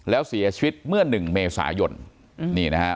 แล้วเสียชีวิตเมื่อหนึ่งเมษายนนี่นะฮะ